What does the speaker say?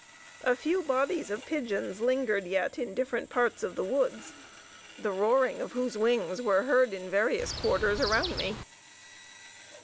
A few bodies of pigeons lingered yet in different parts of the woods, the roaring of whose wings were heard in various quarters around me.